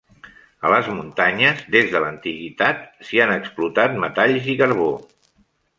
A les muntanyes, des de l'antiguitat, s'hi han explotat metalls i carbó.